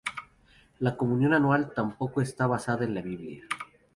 La comunión anual tampoco está basada en la Biblia.